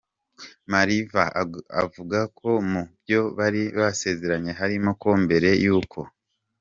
Mariva avuga ko mu byo bari basezeranye harimo ko mbere yuko.